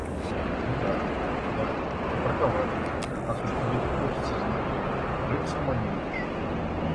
Ну да, да, забраковали, раз уж тебе так хочется знать. Неужели сама не видишь?